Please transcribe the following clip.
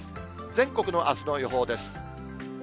全国のあすの予報です。